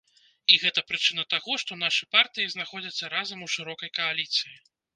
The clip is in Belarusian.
І гэта прычына таго, што нашы партыі знаходзяцца разам у шырокай кааліцыі.